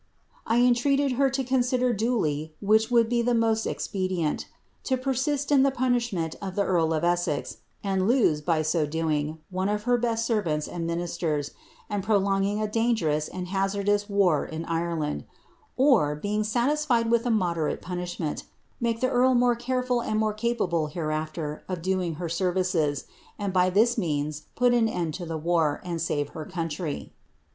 I entreated her to consider duly which would be the most expedient ; to persist in the punishment of the earl of Essex, and lose, by so doing, one of her best servants and ministers, and prolonging a dangerous and hazardous war in Ireland; or, being satisfied with a moderate punishment, make the earl more careful and more capable, hereafter, of doing her services, and by this means put an end to the war, and save her country.